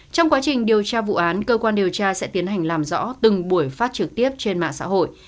trong quá trình điều tra vụ án cơ quan điều tra sẽ tiến hành làm rõ từng buổi phát trực tiếp trên mạng xã hội